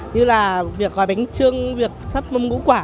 như là gói bánh trưng sắp mâm ngũ quả